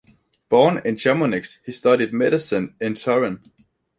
Born in Chamonix, he studied medicine in Turin.